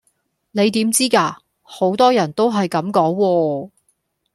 你點知㗎？好多人都係咁講喎